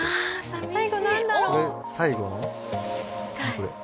これ。